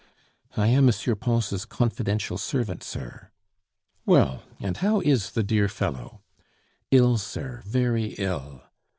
"I am M. Pons' confidential servant, sir." "Well, and how is the dear fellow?" "Ill, sir very ill."